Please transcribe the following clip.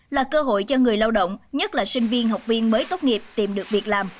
là cơ hội cho người lao động nhất là sinh viên học viên mới tốt nghiệp tìm được việc làm